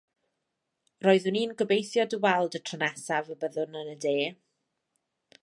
Roeddwn i'n gobeithio dy weld y tro nesaf y byddwn yn y de.